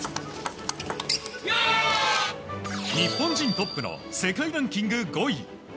日本人トップの世界ランキング５位。